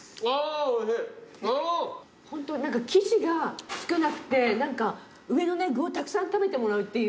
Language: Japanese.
ホントに生地が少なくて何か上のね具をたくさん食べてもらうっていう。